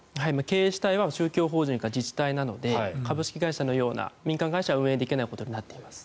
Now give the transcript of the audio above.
経営主体は宗教法人か自治体なので株式会社のような民間会社は運営できないことになっています。